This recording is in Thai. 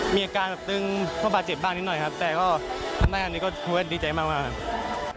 มีอาการแบบตึงก็บาดเจ็บบ้างนิดหน่อยครับแต่ก็ทำได้อันนี้ก็ถือว่าดีใจมากครับ